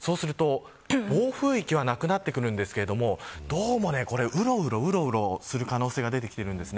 暴風域はなくなってくるんですけどどうも、うろうろする可能性が出てきているんです。